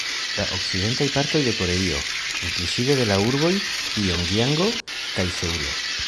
La okcidentaj partoj de Koreio, inkluzive de la urboj Pjongjango kaj Seulo.